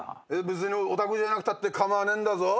別にお宅じゃなくたって構わねえんだぞ。